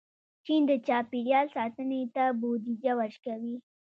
چین د چاپېریال ساتنې ته بودیجه ورکوي.